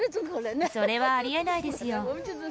それはありえないですよ。